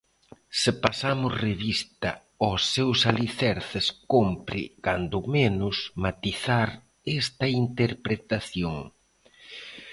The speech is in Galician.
Se pasamos revista aos seus alicerces, cómpre, cando menos, matizar esta interpretación.